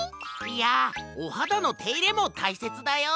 いやおはだのていれもたいせつだよ！